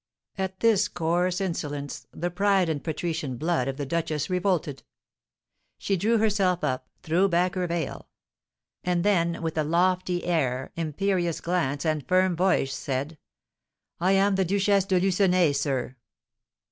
At this coarse insolence the pride and patrician blood of the duchess revolted. She drew herself up, threw back her veil; and then, with a lofty air, imperious glance, and firm voice, said: "I am the Duchess de Lucenay, sir!"